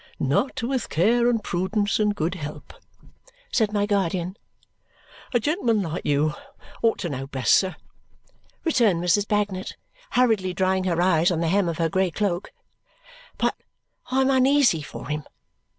"Not with care and prudence and good help," said my guardian. "A gentleman like you ought to know best, sir," returned Mrs. Bagnet, hurriedly drying her eyes on the hem of her grey cloak, "but I am uneasy for him.